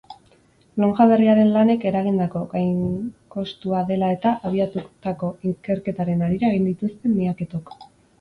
Lonja berriaren lanek eragindako gainkostua dela-eta abiatutako ikerketaren harira egin dituzte miaketok.